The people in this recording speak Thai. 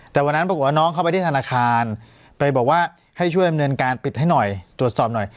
แต่วันนั้นปรากฏว่าน้องเข้าไปที่ธนาคารไปบอกว่าให้ช่วยดำเนินการปิดให้หน่อยตรวจสอบหน่อย